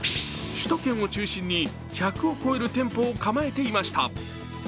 首都圏を中心に１００を超える店舗を構えていました。